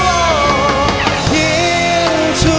ยังเพราะความสำคัญ